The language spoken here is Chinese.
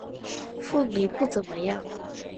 凤梨不怎么样